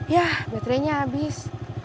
yah baterainya habis